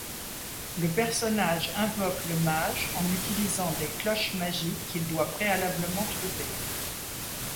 Le personnage invoque le mage en utilisant des cloches magiques qu'il doit préalablement trouver.